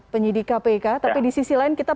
penyidik kpk tapi di sisi lain kita